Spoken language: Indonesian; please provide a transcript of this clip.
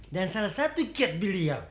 salah satu kiat beliau